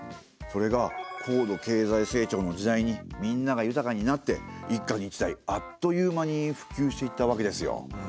それが高度経済成長の時代にみんなが豊かになって一家に一台あっという間にふきゅうしていったわけですよ。